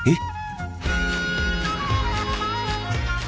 えっ。